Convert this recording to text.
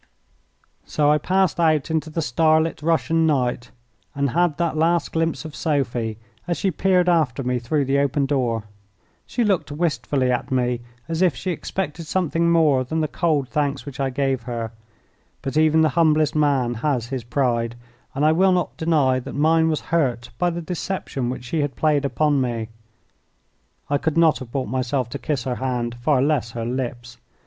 So I passed out into the star lit Russian night, and had that last glimpse of Sophie as she peered after me through the open door. She looked wistfully at me as if she expected something more than the cold thanks which I gave her, but even the humblest man has his pride, and I will not deny that mine was hurt by the deception which she had played upon me. I could not have brought myself to kiss her hand, far less her lips.